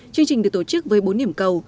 chương trình được tổ chức với bốn điểm cầu